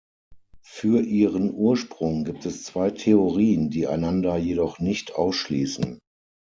Für ihren Ursprung gibt es zwei Theorien, die einander jedoch nicht ausschließen.